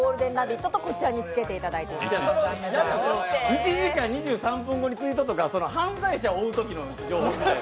１時間２３分後にツイートとか犯罪者を追うときの情報や。